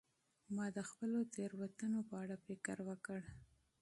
ما د خپلو تیروتنو په اړه فکر وکړ.